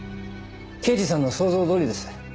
刑事さんの想像どおりです。